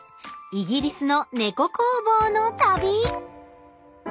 イギリスの猫工房の旅！